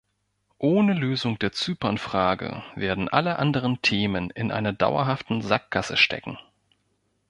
Ohne Lösung der Zypern-Frage werden alle anderen Themen in einer dauerhaften Sackgasse stecken.